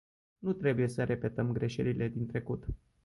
Nu trebuie să repetăm greșelile din trecut.